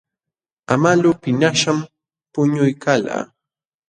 Amalu piñaśhqam puñuykalqa.